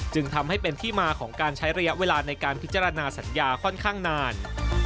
จึงทำให้เป็นที่มาของการใช้ระยะเวลาในการพิจารณาสัญญาค่อนข้างนาน